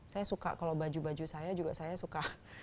saya suka kalau baju baju saya juga saya suka